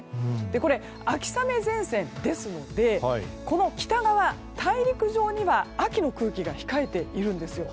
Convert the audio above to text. これ、秋雨前線ですのでこの北側、大陸上には秋の空気が控えているんです。